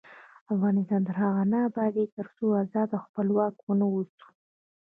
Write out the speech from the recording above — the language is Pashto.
افغانستان تر هغو نه ابادیږي، ترڅو ازاد او خپلواک ونه اوسو.